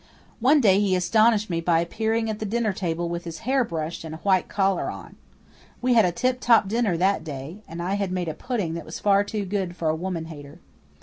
One day he astonished me by appearing at the dinner table with his hair brushed and a white collar on. We had a tiptop dinner that day, and I had made a pudding that was far too good for a woman hater.